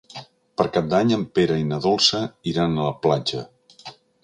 Per Cap d'Any en Pere i na Dolça iran a la platja.